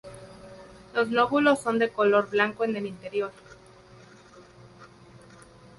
Los lóbulos son de color blanco en el interior.